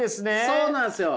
そうなんですよ。